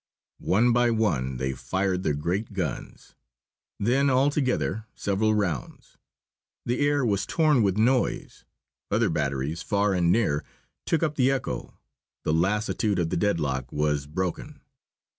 One by one they fired the great guns. Then all together, several rounds. The air was torn with noise. Other batteries, far and near, took up the echo. The lassitude of the deadlock was broken.